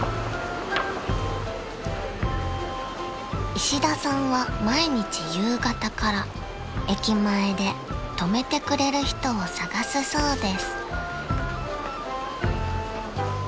［石田さんは毎日夕方から駅前で泊めてくれる人を探すそうです］